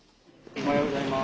おはようございます。